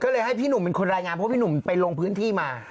ก็เลยให้พี่หนุ่มเป็นคนรายงานเพราะพี่หนุ่มไปลงพื้นที่มา